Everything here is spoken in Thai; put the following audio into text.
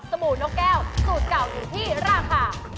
บู่นกแก้วสูตรเก่าอยู่ที่ราคา